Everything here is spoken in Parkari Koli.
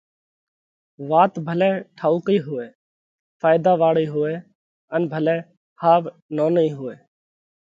وات ڀلئہ ٺائُوڪئِي هوئہ، ڦائيۮا واۯئِي هوئہ ان ڀلئہ ۿاوَ نونَئِي هوئہ۔